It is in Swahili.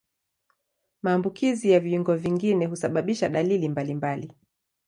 Maambukizi ya viungo vingine husababisha dalili mbalimbali.